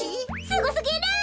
すごすぎる！